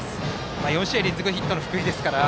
４試合連続ヒットの福井ですから。